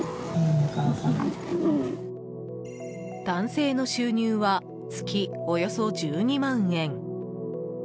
男性の収入は月およそ１２万円。